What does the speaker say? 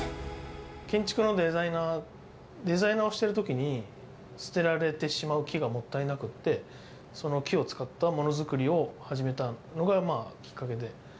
建築のデザイナー、デザイナーをしているときに、捨てられてしまう木がもったいなくって、その木を使ったものづくりを始めたのがきっかけで。